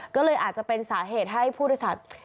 ก็เลยอาจจะเป็นสาเหตุให้ผู้โดยสาร